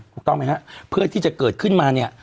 ถูกต้องไหมฮะเพื่อที่จะเกิดขึ้นมาเนี่ย